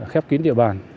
khép kín địa bàn